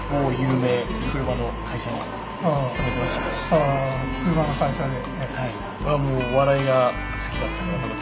ああ車の会社で。